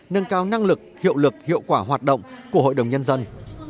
nâng cao năng lực hiệu lực hiệu quả hoạt động của hội đồng nhân dân